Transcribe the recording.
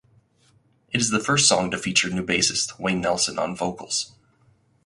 It is the first song to feature new bassist Wayne Nelson on vocals.